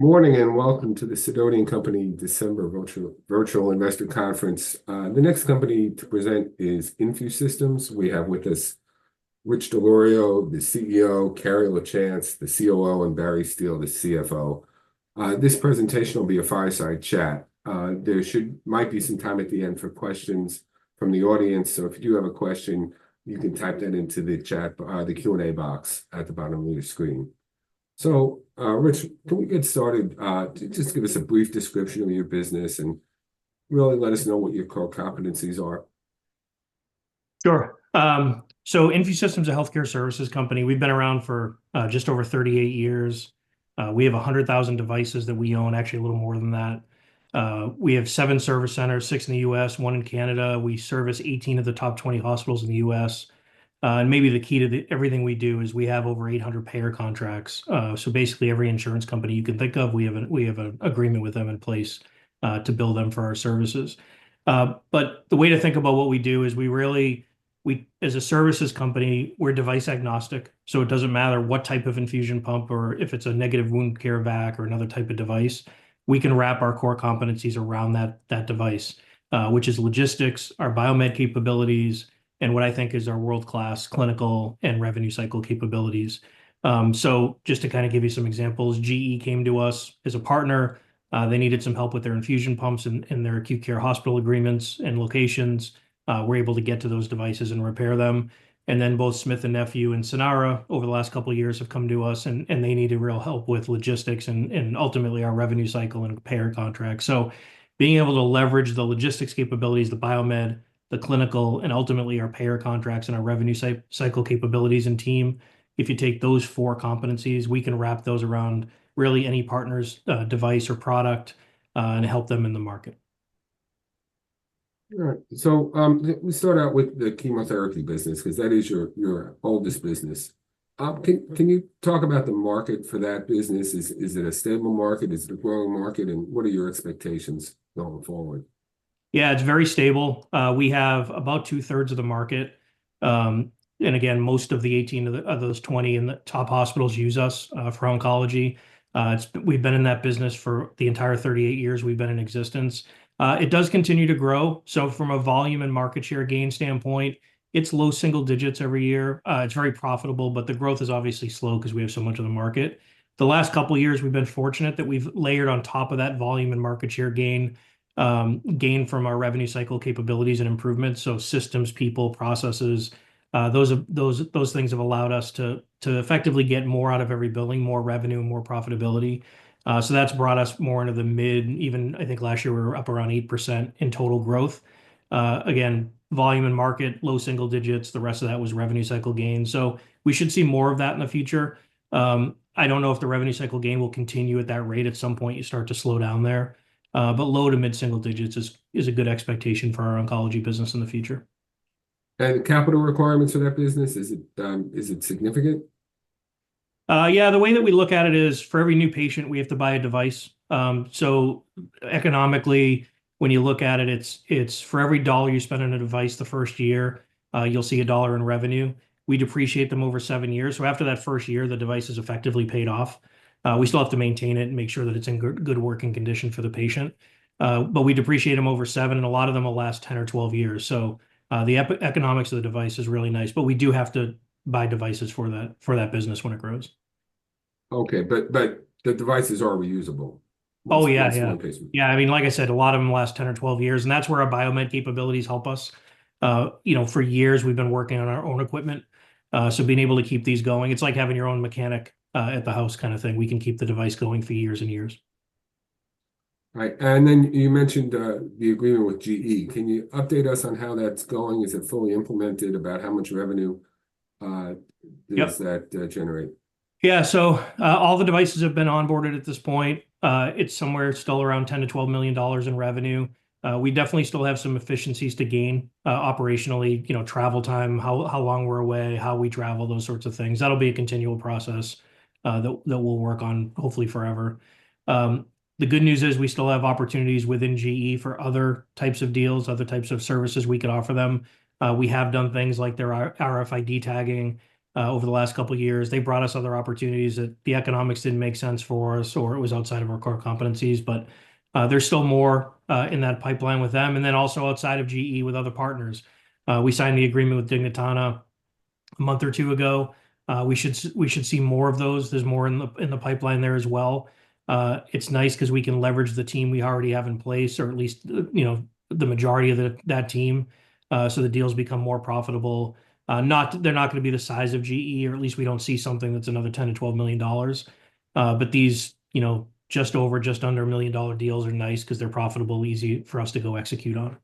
Morning and welcome to the Sidoti & Company December Virtual Investor Conference. The next company to present is InfuSystem. We have with us Rich DiIorio, the CEO, Carrie Lachance, the COO, and Barry Steele, the CFO. This presentation will be a fireside chat. There might be some time at the end for questions from the audience, so if you do have a question, you can type that into the chat, the Q&A box at the bottom of your screen. So, Rich, can we get started? Just give us a brief description of your business and really let us know what your core competencies are. Sure. So InfuSystem is a healthcare services company. We've been around for just over 38 years. We have 100,000 devices that we own, actually a little more than that. We have seven service centers, six in the U.S., one in Canada. We service 18 of the top 20 hospitals in the U.S. And maybe the key to everything we do is we have over 800 payer contracts. So basically every insurance company you can think of, we have an agreement with them in place to bill them for our services. But the way to think about what we do is we really, as a services company, we're device agnostic. So it doesn't matter what type of infusion pump or if it's a negative wound care vac or another type of device, we can wrap our core competencies around that device, which is logistics, our biomed capabilities, and what I think is our world-class clinical and revenue cycle capabilities. So just to kind of give you some examples, GE came to us as a partner. They needed some help with their infusion pumps and their acute care hospital agreements and locations. We're able to get to those devices and repair them. And then both Smith & Nephew and Sanara over the last couple of years have come to us, and they needed real help with logistics and ultimately our revenue cycle and payer contracts. Being able to leverage the logistics capabilities, the biomed, the clinical, and ultimately our payer contracts and our revenue cycle capabilities and team, if you take those four competencies, we can wrap those around really any partner's device or product and help them in the market. All right. So we start out with the chemotherapy business because that is your oldest business. Can you talk about the market for that business? Is it a stable market? Is it a growing market? And what are your expectations going forward? Yeah, it's very stable. We have about 2/3 of the market. And again, most of the 18 of those 20 top hospitals use us for oncology. We've been in that business for the entire 38 years we've been in existence. It does continue to grow. So from a volume and market share gain standpoint, it's low single digits every year. It's very profitable, but the growth is obviously slow because we have so much of the market. The last couple of years we've been fortunate that we've layered on top of that volume and market share gain from our revenue cycle capabilities and improvements. So systems, people, processes, those things have allowed us to effectively get more out of every billing, more revenue, more profitability. So that's brought us more into the mid. Even, I think last year we were up around 8% in total growth. Again, volume and market, low single digits. The rest of that was revenue cycle gain. So we should see more of that in the future. I don't know if the revenue cycle gain will continue at that rate at some point. You start to slow down there. But low to mid single digits is a good expectation for our oncology business in the future. Capital requirements for that business, is it significant? Yeah. The way that we look at it is for every new patient, we have to buy a device. So economically, when you look at it, it's for every $1 you spend on a device the first year, you'll see $1 in revenue. We depreciate them over seven years. So after that first year, the device is effectively paid off. We still have to maintain it and make sure that it's in good working condition for the patient. But we depreciate them over seven, and a lot of them will last 10 or 12 years. So the economics of the device is really nice, but we do have to buy devices for that business when it grows. Okay, but the devices are reusable. I mean, like I said, a lot of them last 10 or 12 years, and that's where our biomed capabilities help us. For years, we've been working on our own equipment. So being able to keep these going, it's like having your own mechanic at the house kind of thing. We can keep the device going for years and years. Right. And then you mentioned the agreement with GE. Can you update us on how that's going? Is it fully implemented? About how much revenue does that generate? Yeah. So all the devices have been onboarded at this point. It's somewhere still around $10-$12 million in revenue. We definitely still have some efficiencies to gain operationally, travel time, how long we're away, how we travel, those sorts of things. That'll be a continual process that we'll work on hopefully forever. The good news is we still have opportunities within GE for other types of deals, other types of services we could offer them. We have done things like their RFID tagging over the last couple of years. They brought us other opportunities that the economics didn't make sense for us or it was outside of our core competencies. But there's still more in that pipeline with them. And then also outside of GE with other partners. We signed the agreement with Dignitana a month or two ago. We should see more of those. There's more in the pipeline there as well. It's nice because we can leverage the team we already have in place, or at least the majority of that team. So the deals become more profitable. They're not going to be the size of GE, or at least we don't see something that's another $10-$12 million. But these just over, just under a $1 million deals are nice because they're profitable, easy for us to go execute on.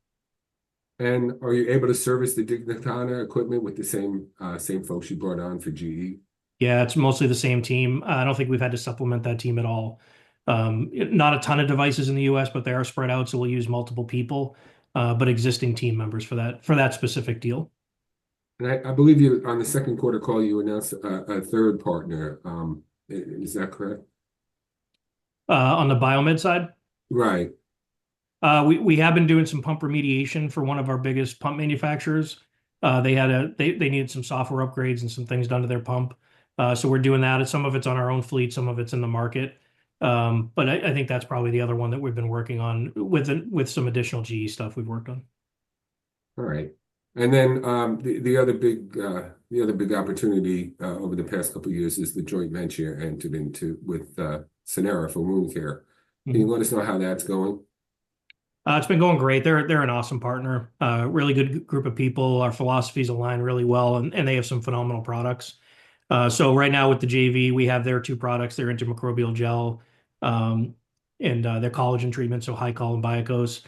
Are you able to service the Dignitana equipment with the same folks you brought on for GE? Yeah, it's mostly the same team. I don't think we've had to supplement that team at all. Not a ton of devices in the U.S., but they are spread out, so we'll use multiple people, but existing team members for that specific deal. I believe on the second quarter call, you announced a third partner. Is that correct? On the biomed side? Right. We have been doing some pump remediation for one of our biggest pump manufacturers. They needed some software upgrades and some things done to their pump. So we're doing that. Some of it's on our own fleet. Some of it's in the market. But I think that's probably the other one that we've been working on with some additional GE stuff we've worked on. All right. And then the other big opportunity over the past couple of years is the joint venture you entered into with Sanara for wound care. Can you let us know how that's going? It's been going great. They're an awesome partner. Really good group of people. Our philosophies align really well, and they have some phenomenal products, so right now with the JV, we have their two products. Their antimicrobial gel and their collagen treatment, so HYCOL and BIAKŌS.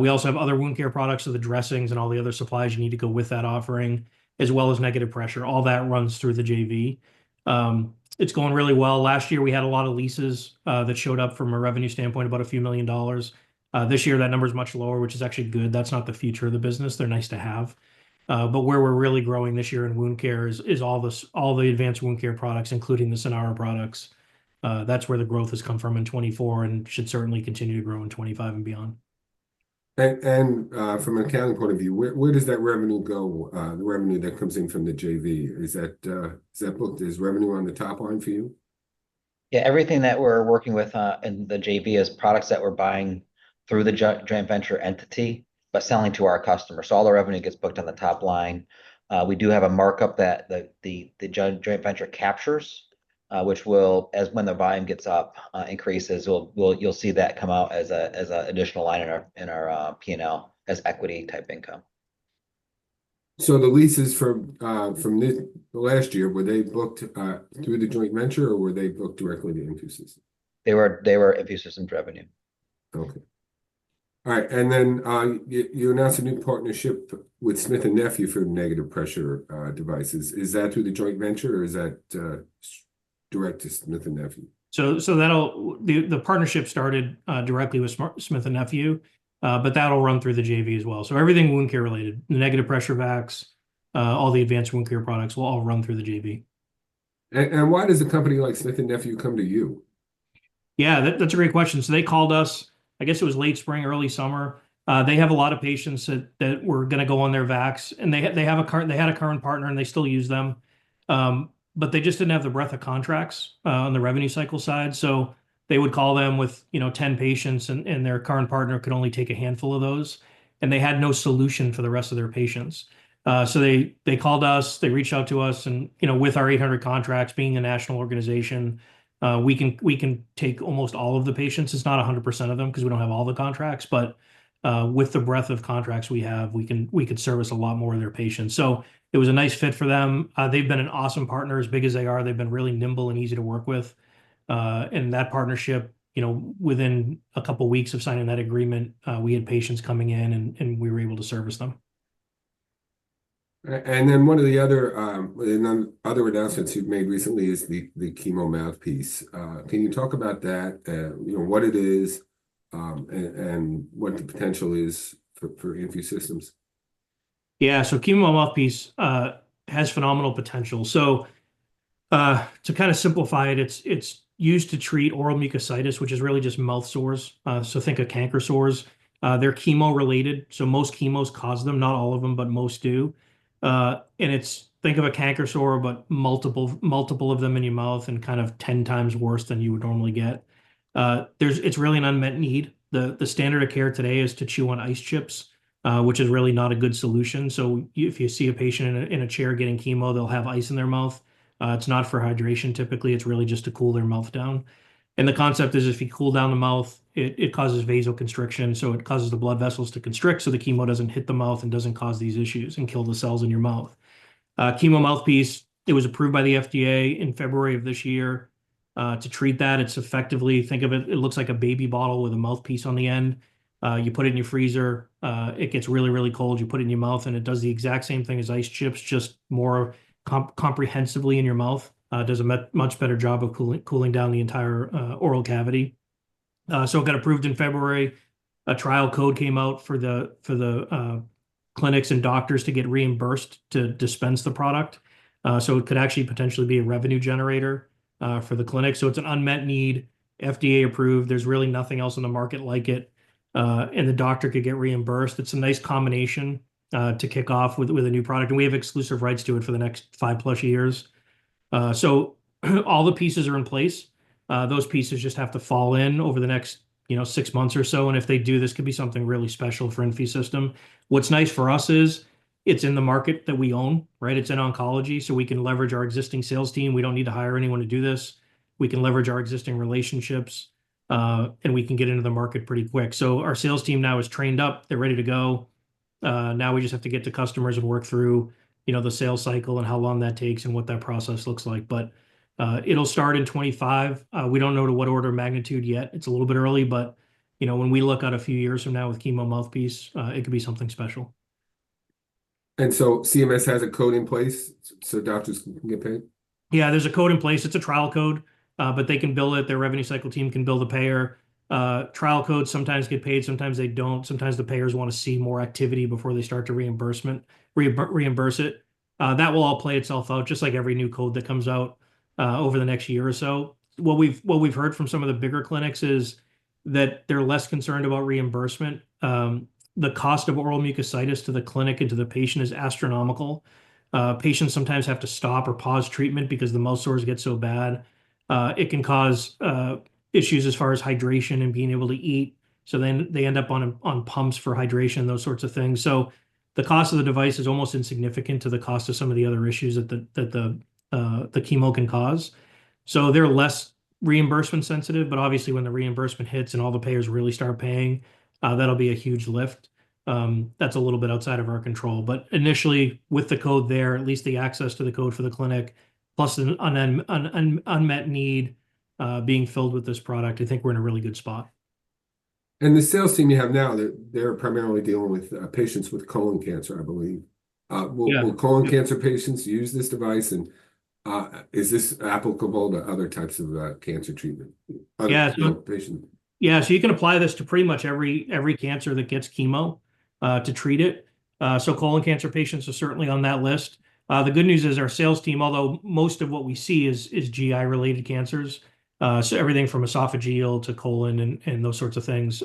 We also have other wound care products, so the dressings and all the other supplies you need to go with that offering, as well as negative pressure. All that runs through the JV. It's going really well. Last year, we had a lot of leases that showed up from a revenue standpoint, about a few million dollars. This year, that number is much lower, which is actually good. That's not the future of the business. They're nice to have, but where we're really growing this year in wound care is all the advanced wound care products, including the Sanara products. That's where the growth has come from in 2024 and should certainly continue to grow in 2025 and beyond. From an accounting point of view, where does that revenue go, the revenue that comes in from the JV? Is that revenue on the top line for you? Yeah. Everything that we're working with in the JV is products that we're buying through the joint venture entity, but selling to our customers. So all the revenue gets booked on the top line. We do have a markup that the joint venture captures, which will, as when the volume gets up, increases, you'll see that come out as an additional line in our P&L as equity type income. So the leases from last year, were they booked through the joint venture or were they booked directly to InfuSystem? They were InfuSystem's revenue. Okay. All right. And then you announced a new partnership with Smith & Nephew for negative pressure devices. Is that through the joint venture or is that direct to Smith & Nephew? So the partnership started directly with Smith & Nephew, but that'll run through the JV as well. So everything wound care related, the negative pressure vacs, all the advanced wound care products will all run through the JV. Why does a company like Smith & Nephew come to you? Yeah, that's a great question. So they called us, I guess it was late spring, early summer. They have a lot of patients that were going to go on their vacs, and they had a current partner and they still use them. But they just didn't have the breadth of contracts on the revenue cycle side. So they would call them with 10 patients and their current partner could only take a handful of those. And they had no solution for the rest of their patients. So they called us, they reached out to us, and with our 800 contracts, being a national organization, we can take almost all of the patients. It's not 100% of them because we don't have all the contracts. But with the breadth of contracts we have, we could service a lot more of their patients. So it was a nice fit for them. They've been an awesome partner, as big as they are. They've been really nimble and easy to work with, and that partnership, within a couple of weeks of signing that agreement, we had patients coming in and we were able to service them. One of the other announcements you've made recently is the Chemo Mouthpiece. Can you talk about that, what it is and what the potential is for InfuSystem's? Yeah. So Chemo Mouthpiece has phenomenal potential. So to kind of simplify it, it's used to treat oral mucositis, which is really just mouth sores. So think of canker sores. They're chemo related. So most chemos cause them, not all of them, but most do. And think of a canker sore, but multiple of them in your mouth and kind of 10 times worse than you would normally get. It's really an unmet need. The standard of care today is to chew on ice chips, which is really not a good solution. So if you see a patient in a chair getting chemo, they'll have ice in their mouth. It's not for hydration typically. It's really just to cool their mouth down. And the concept is if you cool down the mouth, it causes vasoconstriction. So it causes the blood vessels to constrict. So the chemo doesn't hit the mouth and doesn't cause these issues and kill the cells in your mouth. Chemo Mouthpiece, it was approved by the FDA in February of this year to treat that. It's effectively, think of it, it looks like a baby bottle with a mouthpiece on the end. You put it in your freezer, it gets really, really cold. You put it in your mouth and it does the exact same thing as ice chips, just more comprehensively in your mouth. Does a much better job of cooling down the entire oral cavity. So it got approved in February. A trial code came out for the clinics and doctors to get reimbursed to dispense the product. So it could actually potentially be a revenue generator for the clinic. So it's an unmet need, FDA approved. There's really nothing else in the market like it. And the doctor could get reimbursed. It's a nice combination to kick off with a new product. And we have exclusive rights to it for the next five-plus years. So all the pieces are in place. Those pieces just have to fall in over the next six months or so. And if they do, this could be something really special for InfuSystem. What's nice for us is it's in the market that we own, right? It's in oncology. So we can leverage our existing sales team. We don't need to hire anyone to do this. We can leverage our existing relationships and we can get into the market pretty quick. So our sales team now is trained up. They're ready to go. Now we just have to get to customers and work through the sales cycle and how long that takes and what that process looks like. But it'll start in 2025. We don't know to what order of magnitude yet. It's a little bit early, but when we look out a few years from now with Chemo Mouthpiece, it could be something special. CMS has a code in place so doctors can get paid? Yeah, there's a code in place. It's a trial code, but they can bill it. Their revenue cycle team can bill the payer. Trial codes sometimes get paid. Sometimes they don't. Sometimes the payers want to see more activity before they start to reimburse it. That will all play itself out just like every new code that comes out over the next year or so. What we've heard from some of the bigger clinics is that they're less concerned about reimbursement. The cost of oral mucositis to the clinic and to the patient is astronomical. Patients sometimes have to stop or pause treatment because the mouth sores get so bad. It can cause issues as far as hydration and being able to eat. So then they end up on pumps for hydration, those sorts of things. So the cost of the device is almost insignificant to the cost of some of the other issues that the chemo can cause. So they're less reimbursement sensitive, but obviously when the reimbursement hits and all the payers really start paying, that'll be a huge lift. That's a little bit outside of our control. But initially, with the code there, at least the access to the code for the clinic, plus an unmet need being filled with this product, I think we're in a really good spot. The sales team you have now, they're primarily dealing with patients with colon cancer, I believe. Will colon cancer patients use this device? Is this applicable to other types of cancer treatment? Yeah. So you can apply this to pretty much every cancer that gets chemo to treat it. So colon cancer patients are certainly on that list. The good news is our sales team, although most of what we see is GI-related cancers, so everything from esophageal to colon and those sorts of things.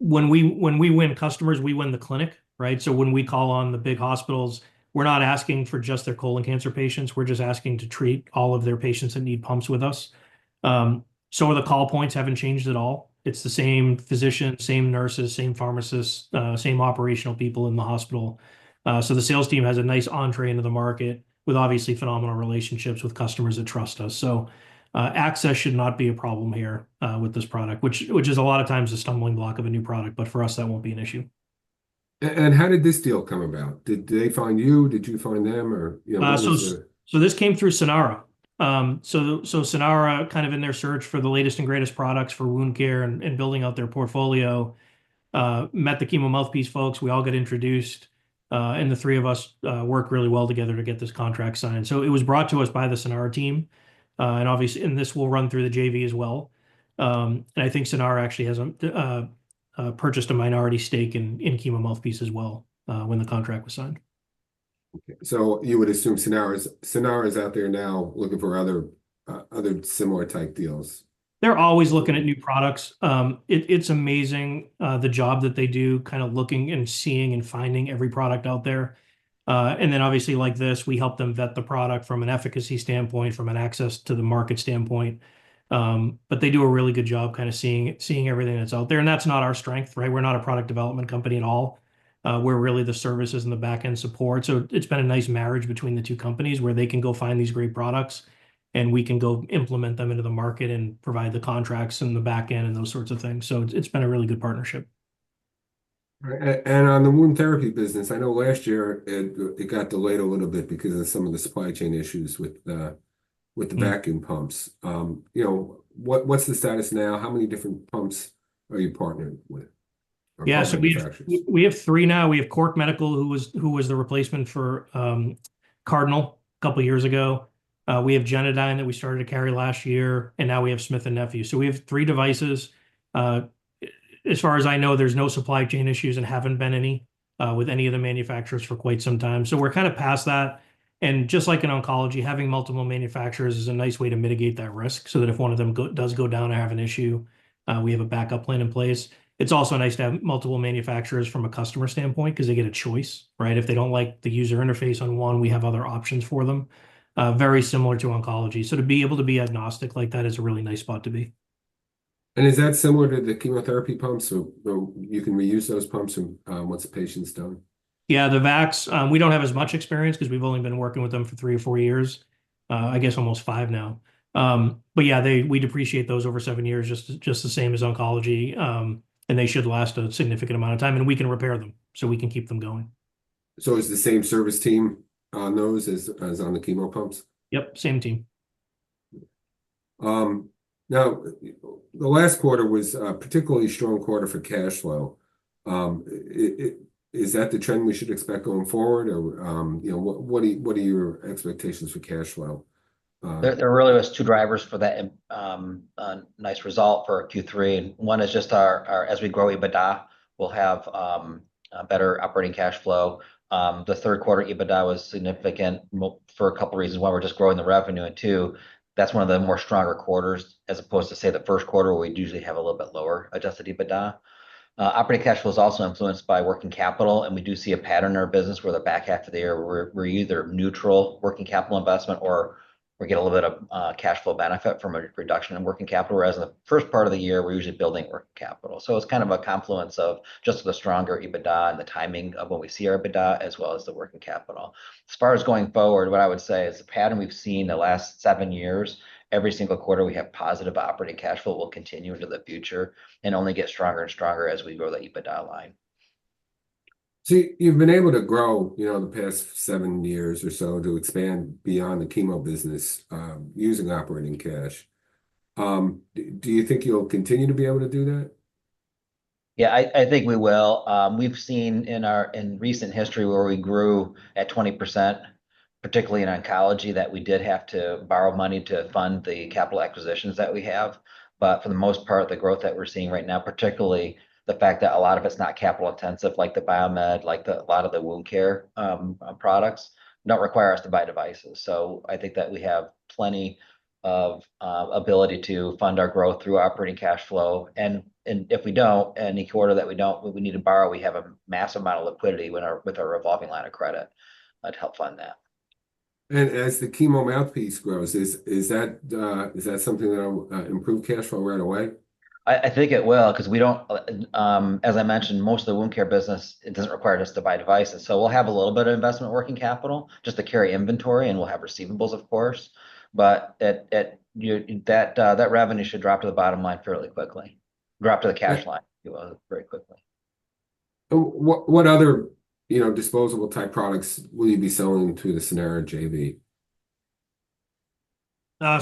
When we win customers, we win the clinic, right? So when we call on the big hospitals, we're not asking for just their colon cancer patients. We're just asking to treat all of their patients that need pumps with us. So the call points haven't changed at all. It's the same physician, same nurses, same pharmacists, same operational people in the hospital. So the sales team has a nice entrée into the market with obviously phenomenal relationships with customers that trust us. So access should not be a problem here with this product, which is a lot of times a stumbling block of a new product, but for us, that won't be an issue. How did this deal come about? Did they find you? Did you find them? So this came through Sanara. So Sanara, kind of in their search for the latest and greatest products for wound care and building out their portfolio, met the Chemo Mouthpiece folks. We all got introduced, and the three of us worked really well together to get this contract signed. So it was brought to us by the Sanara team. And obviously, this will run through the JV as well. And I think Sanara actually has purchased a minority stake in Chemo Mouthpiece as well when the contract was signed. So you would assume Sanara is out there now looking for other similar type deals? They're always looking at new products. It's amazing the job that they do, kind of looking and seeing and finding every product out there, and then obviously, like this, we help them vet the product from an efficacy standpoint, from an access to the market standpoint, but they do a really good job kind of seeing everything that's out there, and that's not our strength, right? We're not a product development company at all. We're really the services and the backend support, so it's been a nice marriage between the two companies where they can go find these great products and we can go implement them into the market and provide the contracts and the backend and those sorts of things, so it's been a really good partnership. On the wound therapy business, I know last year it got delayed a little bit because of some of the supply chain issues with the vacuum pumps. What's the status now? How many different pumps are you partnered with? Yeah, so we have three now. We have Cork Medical, who was the replacement for Cardinal a couple of years ago. We have Genadyne that we started to carry last year. And now we have Smith & Nephew. So we have three devices. As far as I know, there's no supply chain issues and haven't been any with any of the manufacturers for quite some time. So we're kind of past that. And just like in oncology, having multiple manufacturers is a nice way to mitigate that risk so that if one of them does go down or have an issue, we have a backup plan in place. It's also nice to have multiple manufacturers from a customer standpoint because they get a choice, right? If they don't like the user interface on one, we have other options for them. Very similar to oncology. So to be able to be agnostic like that is a really nice spot to be. Is that similar to the chemotherapy pumps? You can reuse those pumps once the patient's done? Yeah, the vacs, we don't have as much experience because we've only been working with them for three or four years. I guess almost five now. But yeah, we depreciate those over seven years, just the same as oncology. And they should last a significant amount of time. And we can repair them so we can keep them going. So it's the same service team on those as on the chemo pumps? Yep, same team. Now, the last quarter was a particularly strong quarter for cash flow. Is that the trend we should expect going forward? Or what are your expectations for cash flow? There really was two drivers for that nice result for Q3. One is just as we grow EBITDA, we'll have better operating cash flow. The third quarter EBITDA was significant for a couple of reasons. One, we're just growing the revenue. And two, that's one of the more stronger quarters as opposed to, say, the first quarter where we'd usually have a little bit lower adjusted EBITDA. Operating cash flow is also influenced by working capital. And we do see a pattern in our business where the back half of the year, we're either neutral working capital investment or we get a little bit of cash flow benefit from a reduction in working capital. Whereas in the first part of the year, we're usually building working capital. It's kind of a confluence of just the stronger EBITDA and the timing of when we see our EBITDA as well as the working capital. As far as going forward, what I would say is the pattern we've seen the last seven years, every single quarter we have positive operating cash flow will continue into the future and only get stronger and stronger as we grow the EBITDA line. So you've been able to grow in the past seven years or so to expand beyond the chemo business using operating cash. Do you think you'll continue to be able to do that? Yeah, I think we will. We've seen in recent history where we grew at 20%, particularly in oncology, that we did have to borrow money to fund the capital acquisitions that we have. But for the most part, the growth that we're seeing right now, particularly the fact that a lot of it's not capital intensive, like the Biomed, like a lot of the wound care products, don't require us to buy devices. So I think that we have plenty of ability to fund our growth through operating cash flow. And if we don't, any quarter that we don't need to borrow, we have a massive amount of liquidity with our revolving line of credit to help fund that. As the Chemo Mouthpiece grows, is that something that'll improve cash flow right away? I think it will because we don't, as I mentioned, most of the wound care business. It doesn't require us to buy devices. So we'll have a little bit of investment working capital just to carry inventory, and we'll have receivables, of course. But that revenue should drop to the bottom line fairly quickly, drop to the cash line very quickly. What other disposable type products will you be selling to the Sanara JV?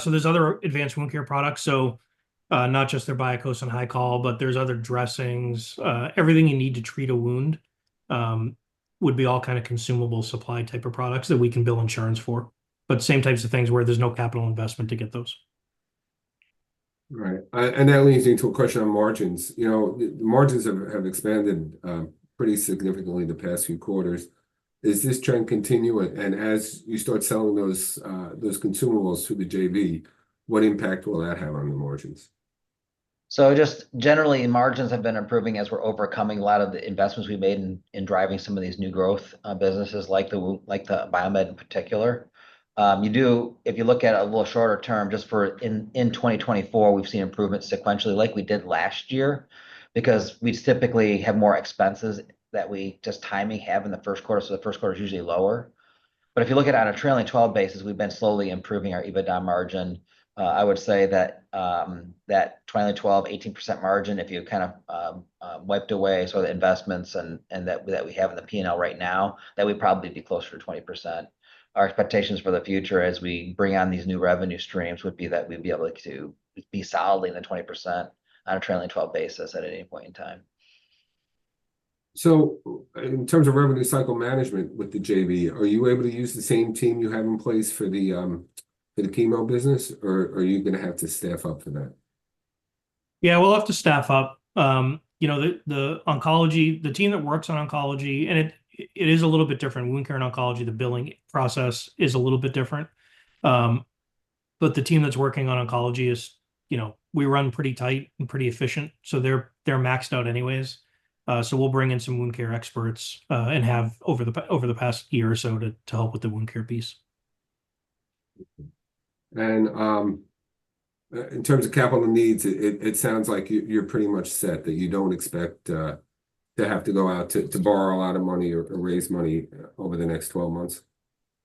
So there's other advanced wound care products. So not just their BIAKŌS and HYCOL, but there's other dressings. Everything you need to treat a wound would be all kind of consumable supply type of products that we can bill insurance for. But same types of things where there's no capital investment to get those. Right. And that leads into a question on margins. Margins have expanded pretty significantly in the past few quarters. Is this trend continuing? And as you start selling those consumables to the JV, what impact will that have on the margins? So just generally, margins have been improving as we're overcoming a lot of the investments we made in driving some of these new growth businesses, like the Biomed in particular. If you look at a little shorter term, just for in 2024, we've seen improvements sequentially like we did last year because we typically have more expenses that we just time in the first quarter. The first quarter is usually lower. But if you look at on a trailing 12 basis, we've been slowly improving our EBITDA margin. I would say that trailing 12, 18% margin, if you kind of wiped away some of the investments that we have in the P&L right now, that we'd probably be closer to 20%. Our expectations for the future as we bring on these new revenue streams would be that we'd be able to be solidly in the 20% on a trailing 12 basis at any point in time. So in terms of revenue cycle management with the JV, are you able to use the same team you have in place for the chemo business, or are you going to have to staff up for that? Yeah, we'll have to staff up. The team that works on oncology, and it is a little bit different. Wound care and oncology, the billing process is a little bit different. But the team that's working on oncology, we run pretty tight and pretty efficient. So they're maxed out anyways. So we'll bring in some wound care experts and have over the past year or so to help with the wound care piece. In terms of capital needs, it sounds like you're pretty much set that you don't expect to have to go out to borrow a lot of money or raise money over the next 12 months.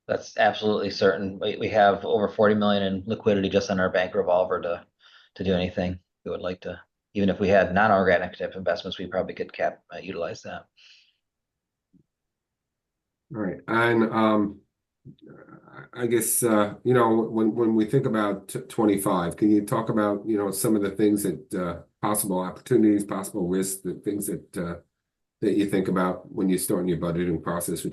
That's absolutely certain. We have over $40 million in liquidity just on our bank revolver to do anything we would like to. Even if we had non-organic type investments, we probably could utilize that. All right. And I guess when we think about 2025, can you talk about some of the things that possible opportunities, possible risks, the things that you think about when you start in your budgeting process for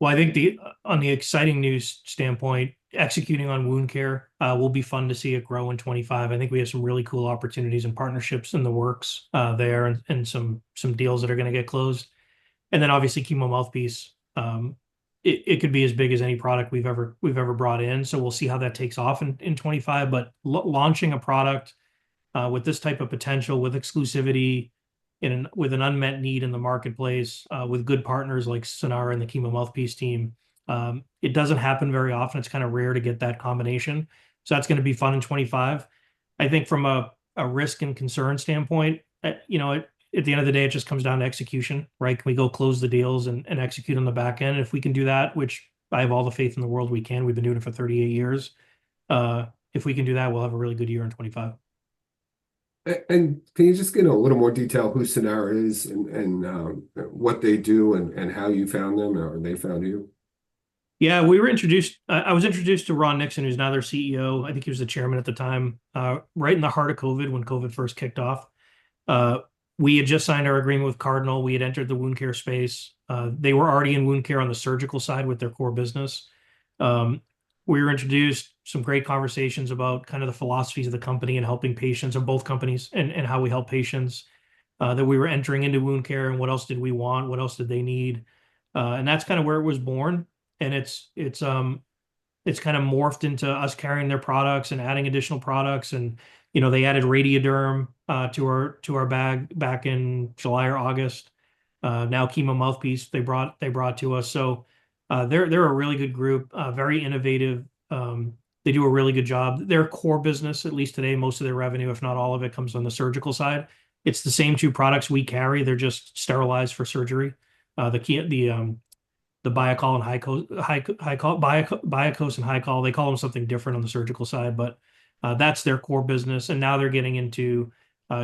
2025? I think on the exciting news standpoint, executing on wound care will be fun to see it grow in 2025. I think we have some really cool opportunities and partnerships in the works there and some deals that are going to get closed. Then obviously, Chemo Mouthpiece, it could be as big as any product we've ever brought in. We'll see how that takes off in 2025. Launching a product with this type of potential, with exclusivity, with an unmet need in the marketplace, with good partners like Sanara and the Chemo Mouthpiece team, it doesn't happen very often. It's kind of rare to get that combination. That's going to be fun in 2025. I think from a risk and concern standpoint, at the end of the day, it just comes down to execution, right? Can we go close the deals and execute on the backend? And if we can do that, which I have all the faith in the world we can, we've been doing it for 38 years. If we can do that, we'll have a really good year in 2025. Can you just get a little more detail who Sanara is and what they do and how you found them or they found you? Yeah, I was introduced to Ron Nixon, who's now their CEO. I think he was the chairman at the time, right in the heart of COVID when COVID first kicked off. We had just signed our agreement with Cardinal. We had entered the wound care space. They were already in wound care on the surgical side with their core business. We were introduced, some great conversations about kind of the philosophies of the company and helping patients in both companies and how we help patients that we were entering into wound care and what else did we want, what else did they need, and that's kind of where it was born, and it's kind of morphed into us carrying their products and adding additional products. And they added Radiaderm to our bag back in July or August. Now, Chemo Mouthpiece, they brought to us. So they're a really good group, very innovative. They do a really good job. Their core business, at least today, most of their revenue, if not all of it, comes on the surgical side. It's the same two products we carry. They're just sterilized for surgery. The BIAKŌS and HYCOL, they call them something different on the surgical side, but that's their core business. And now they're getting into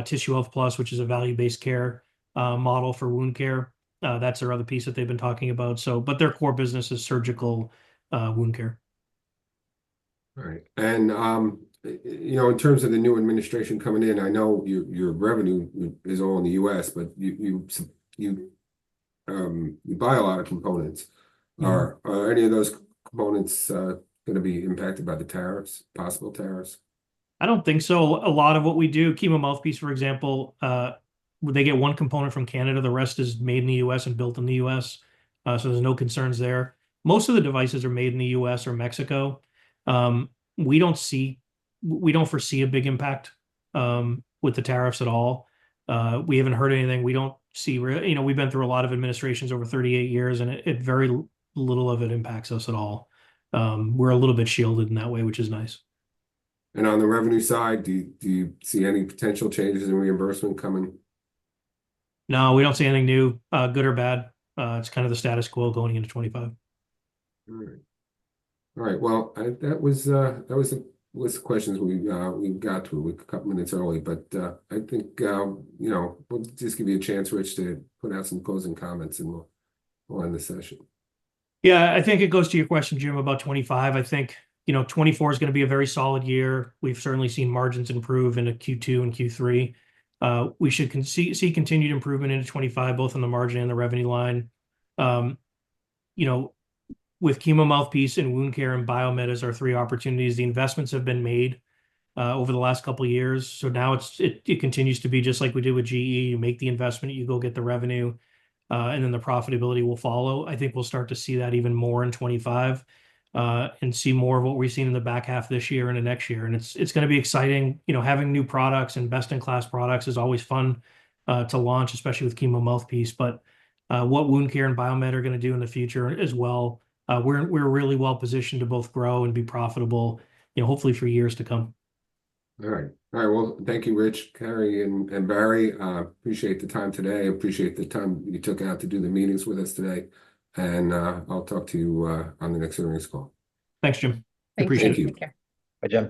Tissue Health Plus, which is a value-based care model for wound care. That's their other piece that they've been talking about. But their core business is surgical wound care. All right. And in terms of the new administration coming in, I know your revenue is all in the U.S., but you buy a lot of components. Are any of those components going to be impacted by the tariffs, possible tariffs? I don't think so. A lot of what we do, Chemo Mouthpiece, for example, they get one component from Canada. The rest is made in the U.S. and built in the U.S. So there's no concerns there. Most of the devices are made in the U.S. or Mexico. We don't foresee a big impact with the tariffs at all. We haven't heard anything. We don't see. We've been through a lot of administrations over 38 years, and very little of it impacts us at all. We're a little bit shielded in that way, which is nice. On the revenue side, do you see any potential changes in reimbursement coming? No, we don't see anything new, good or bad. It's kind of the status quo going into 2025. All right. All right. Well, that was the list of questions we got to a couple of minutes early, but I think we'll just give you a chance, Rich, to put out some closing comments and we'll end the session. Yeah, I think it goes to your question, Jim, about 2025. I think 2024 is going to be a very solid year. We've certainly seen margins improve in Q2 and Q3. We should see continued improvement into 2025, both on the margin and the revenue line. With chemo mouthpiece and wound care and Biomed as our three opportunities, the investments have been made over the last couple of years. So now it continues to be just like we do with GE. You make the investment, you go get the revenue, and then the profitability will follow. I think we'll start to see that even more in 2025 and see more of what we've seen in the back half this year and the next year. And it's going to be exciting. Having new products and best-in-class products is always fun to launch, especially with chemo mouthpiece. But what wound care and Biomed are going to do in the future as well, we're really well positioned to both grow and be profitable, hopefully for years to come. All right. All right. Well, thank you, Rich, Carrie, and Barry. Appreciate the time today. Appreciate the time you took out to do the meetings with us today. And I'll talk to you on the next earnings call. Thanks, Jim. Appreciate it. Thank you. Take care. Bye, Jim.